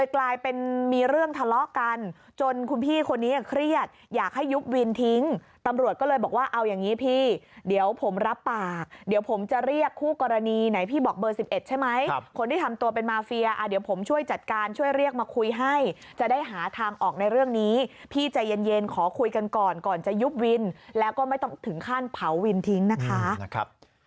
ก็เลยบอกว่าเอายังงี้พี่เดี๋ยวผมรับปากเดี๋ยวผมจะเรียกคู่กรณีไหนพี่บอกเบอร์๑๑ใช่ไหมคนที่ทำตัวเป็นมาเฟียเดี๋ยวผมช่วยจัดการช่วยเรียกมาคุยให้จะได้หาทางออกในเรื่องนี้พี่ใจเย็นขอคุยกันก่อนก่อนจะยุบวินแล้วก็ไม่ต้องถึงขั้นเผาวินทิ้งนะคะ